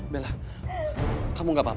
bella kamu enggak apa apa